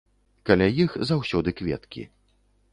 Каля іх заўсёды кветкі.